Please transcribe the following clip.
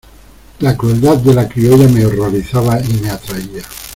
la crueldad de la criolla me horrorizaba y me atraía: